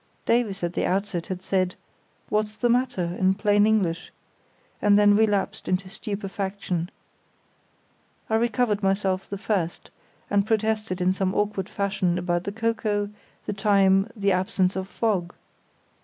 Davies at the outset had said, "What's the matter?" in plain English, and then relapsed into stupefaction. I recovered myself the first, and protested in some awkward fashion about the cocoa, the time, the absence of fog.